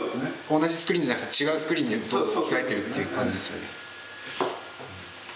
同じスクリーンじゃなくて違うスクリーンに置き換えてるっていう感じですよね。